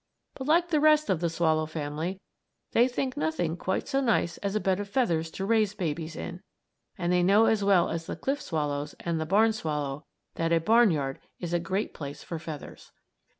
But, like the rest of the swallow family, they think nothing quite so nice as a bed of feathers to raise babies in, and they know as well as the cliff swallows and the barn swallow that a barnyard is a great place for feathers.